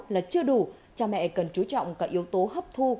là chưa đủ cha mẹ cần chú trọng cả yếu tố hấp thu